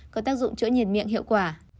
có tác dụng chữa nhiệt miệng hiệu quả